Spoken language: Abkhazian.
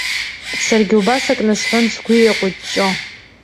Саргьы убас ак насҳәон, сгәы еиҟәыҷҷо.